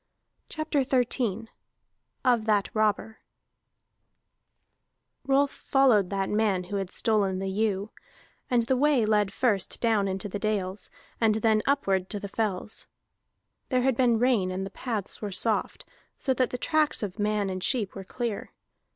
CHAPTER XIII OF THAT ROBBER Rolf followed that man who had stolen the ewe, and the way led first down into the dales, and then upward to the fells. There had been rain and the paths were soft, so that the tracks of man and sheep were clear.